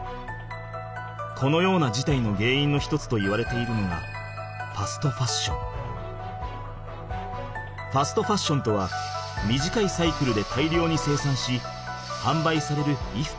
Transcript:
このようなじたいのげんいんの一つといわれているのがファストファッションとは短いサイクルで大量に生産しはんばいされる衣服のこと。